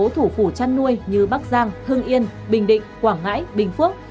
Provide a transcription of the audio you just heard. trong số thủ phủ chăn nuôi như bắc giang hưng yên bình định quảng ngãi bình phước